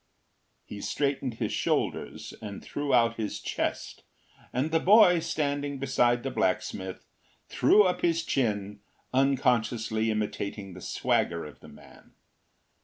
” He straightened his shoulders and threw out his chest and the boy standing beside the blacksmith threw up his chin, unconsciously imitating the swagger of the man.